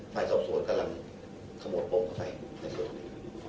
ฝ่ายสอบสวนกำลังขโมดปลงเข้าไปในส่วนดี